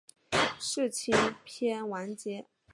世青篇完结。